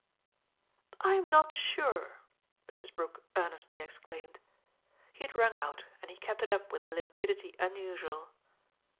"I'm not sure!" Mrs. Brook earnestly exclaimed. He had rung out and he kept it up with a limpidity unusual.